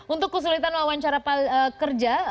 untuk kesulitan wawancara kerja